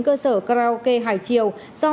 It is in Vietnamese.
cơ sở karaoke hải triều do